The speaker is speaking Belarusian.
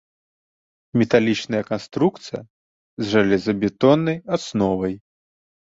Металічная канструкцыя, з жалезабетоннай асновай.